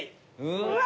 うわ！